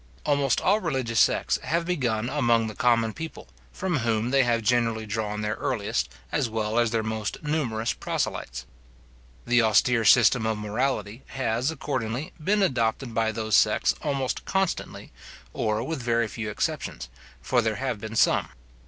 Almost all religious sects have begun among the common people, from whom they have generally drawn their earliest, as well as their most numerous proselytes. The austere system of morality has, accordingly, been adopted by those sects almost constantly, or with very few exceptions; for there have been some.